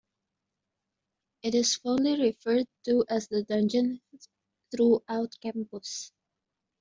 It is fondly referred to as "The Dungeon" throughout campus.